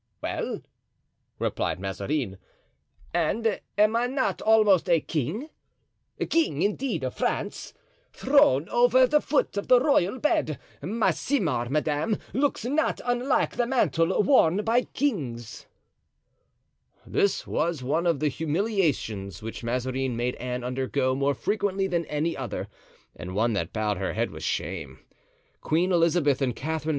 "Well," replied Mazarin, "and am I not almost a king—king, indeed, of France? Thrown over the foot of the royal bed, my simar, madame, looks not unlike the mantle worn by kings." This was one of the humiliations which Mazarin made Anne undergo more frequently than any other, and one that bowed her head with shame. Queen Elizabeth and Catherine II.